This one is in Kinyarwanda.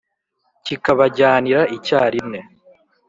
kikabajyanira icyarimwe